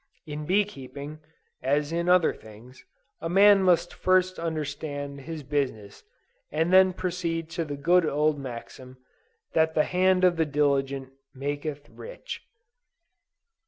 In bee keeping, as in other things, a man must first understand his business, and then proceed on the good old maxim, that "the hand of the diligent maketh rich."